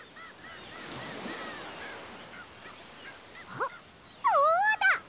あっそうだ！